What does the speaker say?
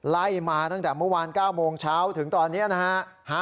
ไล่มาตั้งแต่เมื่อวาน๙โมงเช้าถึงตอนนี้นะฮะ